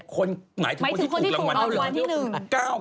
คนขายเนี่ย